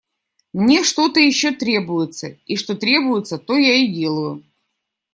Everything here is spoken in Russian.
Мне что-то еще требуется, и что требуется, то я и делаю.